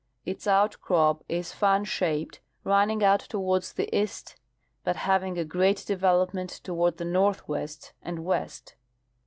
Its outcro}) is fan sliaped, running out toward the east, but having a great development toward the northAvest and west.